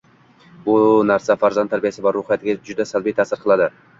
Bu narsa farzand tarbiyasi va ruhiyatiga juda salbiy ta'sir qiladi.